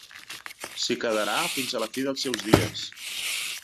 S'hi quedarà fins a la fi dels seus dies.